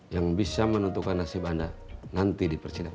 yang bisa menentukan nasib anda nanti dipercayakan